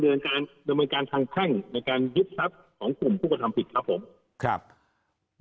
การดำเนินการทางแพ่งในการยึดทรัพย์ของกลุ่มผู้กระทำผิดครับผมครับ